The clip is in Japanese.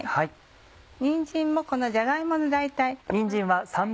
にんじんもこのじゃが芋の大体。